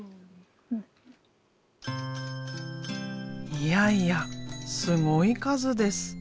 いやいやすごい数です。